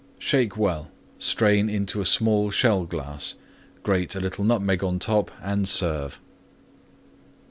Shake well; strain into small Shell glass; grate a little Nutmeg on top and serve.